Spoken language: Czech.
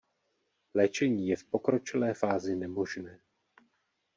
Léčení je v pokročilé fázi nemožné.